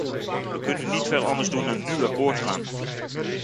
Wij kunnen niet veel anders doen dan nu akkoord gaan.